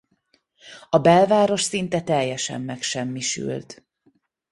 A belváros szinte teljesen megsemmisült.